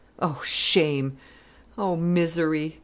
Oh, shame! Oh, misery!